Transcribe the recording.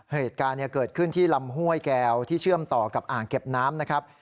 เหตุการณ์เกิดขึ้นที่ลำห้วยแก้วที่เชื่อมต่อกับอ่างเก็บน้ำนะครับ